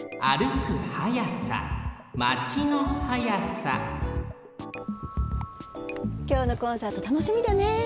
たとえばきょうのコンサートたのしみだね。